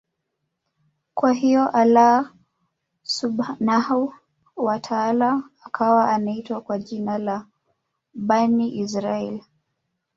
Kwa hiyo Allaah Subhaanahu wa Taala akawa Anawaita kwa jina la Bani Israaiyl